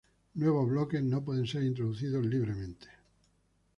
Nuevos bloques no pueden ser introducidos libremente.